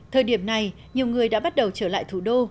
thời điểm này nhiều người đã bắt đầu trở lại thủ đô